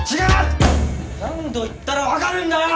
何度言ったら分かるんだよ！